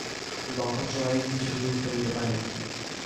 নক্ষত্ররায় কিছুই উত্তর দিতে পারিলেন না।